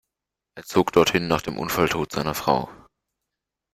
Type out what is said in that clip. Er zog dorthin nach dem Unfalltod seiner Frau.